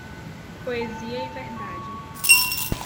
Poesia e verdade